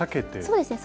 そうですね。